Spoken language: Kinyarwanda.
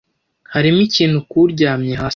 Hariho ikintu kuryamye hasi.